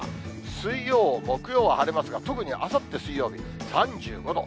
水曜、木曜は晴れますが、特にあさって水曜日３５度。